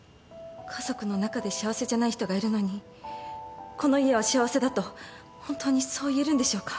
家族の中で幸せじゃない人がいるのにこの家は幸せだと本当にそう言えるんでしょうか。